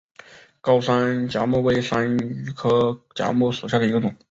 高山梾木为山茱萸科梾木属下的一个种。